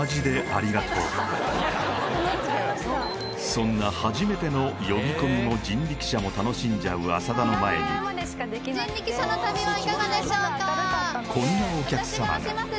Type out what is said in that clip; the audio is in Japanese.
そんな初めての呼び込みも人力車も楽しんじゃう浅田の前に私が押します人力車の旅いかがでしょうか？